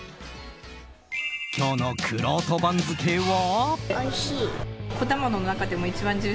今日のくろうと番付は。